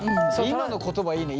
今の言葉いいね